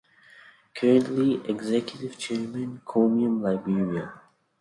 Currently, Executive Chairman Comium Liberia.